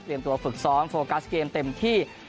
ตัวฝึกซ้อมโฟกัสเกมเต็มที่